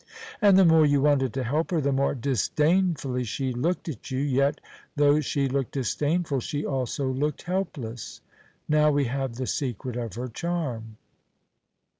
And the more you wanted to help her the more disdainfully she looked at you. Yet though she looked disdainful she also looked helpless. Now we have the secret of her charm.